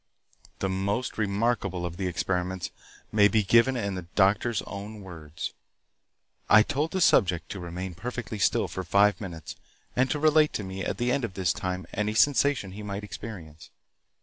The most remarkable of the experiments may be given in the doctor's own words: "I told the subject to remain perfectly still for five minutes and to relate to me at the end of this time any sensation he might experience.